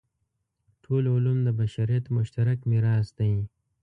ټول علوم د بشریت مشترک میراث دی.